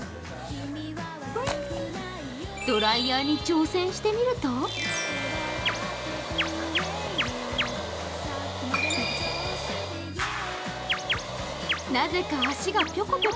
ドライヤーに挑戦してみるとなぜか足がぴょこぴょこ。